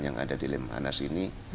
yang ada di lemhanas ini